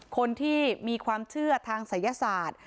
คนที่มีความเชื่อทางศัยศาสตร์